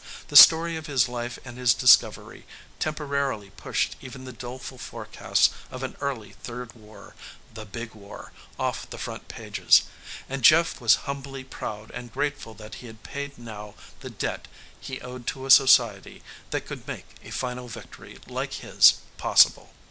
The story of his life and his discovery temporarily pushed even the doleful forecasts of an early Third War, the Big War, off the front pages. And Jeff was humbly proud and grateful that he had paid now the debt he owed to a society that could make a final victory, like his, possible.